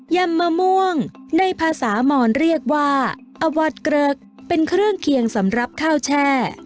ำมะม่วงในภาษาหมอนเรียกว่าอวัดเกริกเป็นเครื่องเคียงสำหรับข้าวแช่